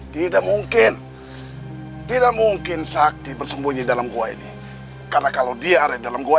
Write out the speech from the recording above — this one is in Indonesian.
tidak mungkin tidak mungkin sakti bersembunyi dalam gua ini karena kalau dia ada di dalam gua